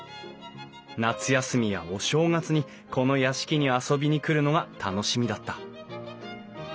夏休みやお正月にこの屋敷に遊びに来るのが楽しみだった。